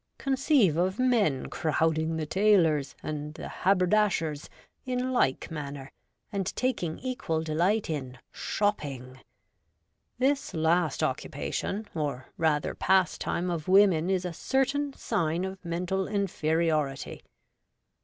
Conceive of men crowd ing the tailors' and the haberdashers' in like manner, and taking equal delight in ' shopping !' This last occupation, or rather pastime, of women is a certain sign of mental inferiority.